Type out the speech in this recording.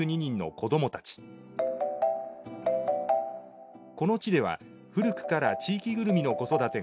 この地では古くから地域ぐるみの子育てが根づきます。